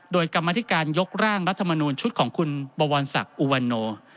โดยกรรมธิการยกร่างรัฐมนูลชุดของคุณบวรศักดิ์อุวันโน